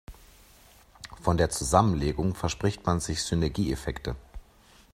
Von der Zusammenlegung verspricht man sich Synergieeffekte.